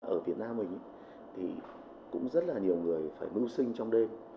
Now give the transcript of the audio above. ở việt nam mình thì cũng rất là nhiều người phải mưu sinh trong đêm